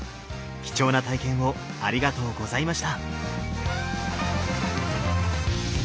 貴重な体験をありがとうございました。